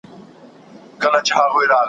ما مي پر شونډو دي په ورځ کي سل توبې ژلي `